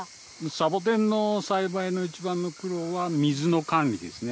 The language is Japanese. サボテンの栽培の一番の苦労は、水の管理ですよね。